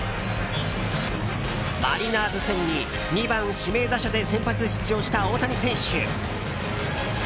マリナーズ戦に２番指名打者で先発出場した大谷選手。